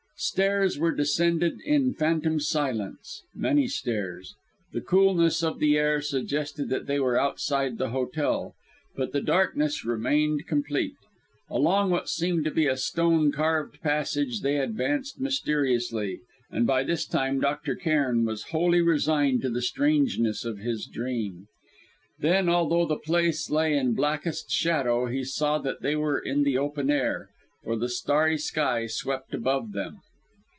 Stairs were descended in phantom silence many stairs. The coolness of the air suggested that they were outside the hotel. But the darkness remained complete. Along what seemed to be a stone paved passage they advanced mysteriously, and by this time Dr. Cairn was wholly resigned to the strangeness of his dream. Then, although the place lay in blackest shadow, he saw that they were in the open air, for the starry sky swept above them.